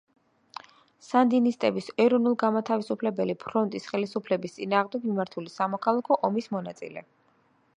სანდინისტების ეროვნულ-განმათავისუფლებელი ფრონტის ხელისუფლების წინააღმდეგ მიმართული სამოქალაქო ომის მონაწილე.